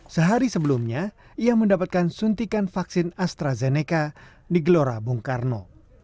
sehari sebelumnya ia mendapatkan suntikan vaksin astrazeneca di gelora bung karno